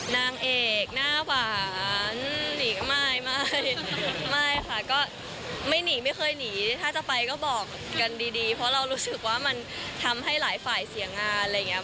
นางเอกหน้าหวานหนีก็ไม่ไม่ค่ะก็ไม่หนีไม่เคยหนีถ้าจะไปก็บอกกันดีเพราะเรารู้สึกว่ามันทำให้หลายฝ่ายเสียงานอะไรอย่างนี้